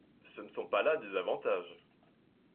Ce ne sont pas là des avantages…